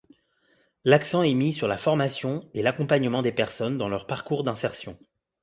L'accent est mis sur la formation et l'accompagnement des personnes dans leur parcours d'insertion.